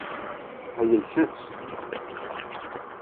Aya yettett.